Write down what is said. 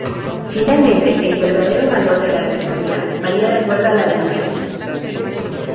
Finalmente el verdadero valor de la artesanía varía de acuerdo a la demografía.